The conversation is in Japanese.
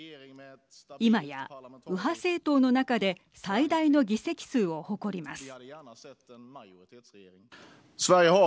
今や、右派政党の中で最大の議席数を誇ります。